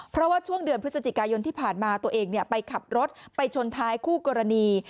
เพราะว่าช่วงเดือนพฤศจิกายนที่ผ่านมาตัวเองไปขับรถไปชนท้ายคู่กรณี